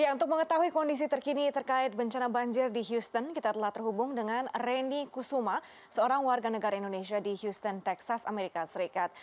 untuk mengetahui kondisi terkini terkait bencana banjir di houston kita telah terhubung dengan reni kusuma seorang warga negara indonesia di houston texas amerika serikat